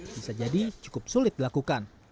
bisa jadi cukup sulit dilakukan